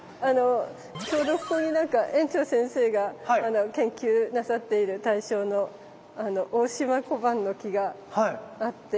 ちょうどここに園長先生が研究なさっている対象のオオシマコバンノキがあって。